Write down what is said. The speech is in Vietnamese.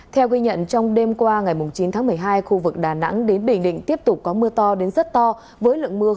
theo ghi nhận trong đêm qua ngày chín tháng một mươi hai khu vực đà nẵng đến bình định tiếp tục có mưa to đến rất to